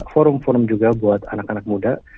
forum forum juga buat anak anak muda